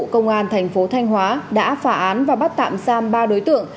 công an thành phố thanh hóa đã phá án và bắt tạm giam ba đối tượng